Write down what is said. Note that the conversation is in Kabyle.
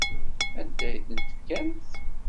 Anda ay tent-tefkamt?